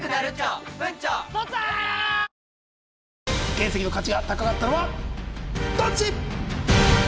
原石の価値が高かったのはどっち！